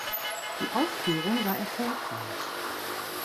Die Aufführung war erfolgreich.